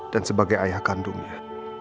dan sebagai ayah kandungnya